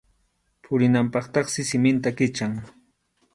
Purinanpaqtaqsi siminta kichan.